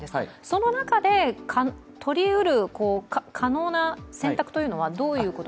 その中でとりうる可能な選択というのはどういうのが。